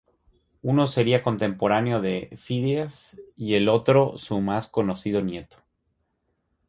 Uno sería contemporáneo de Fidias y el otro su más conocido nieto.